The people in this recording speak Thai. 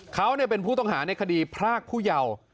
เขาเป็นผู้ต้องหาในคดีพรากผู้เยาว์